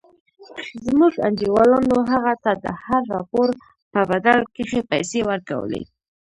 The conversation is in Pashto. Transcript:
زموږ انډيوالانو هغه ته د هر راپور په بدل کښې پيسې ورکولې.